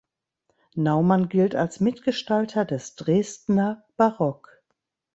Naumann gilt als Mitgestalter des Dresdner Barock.